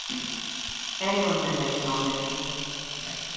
Anyone may make a nomination.